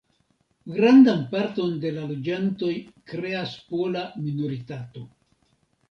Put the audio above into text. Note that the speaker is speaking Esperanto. Grandan parton de la loĝantoj kreas pola minoritato.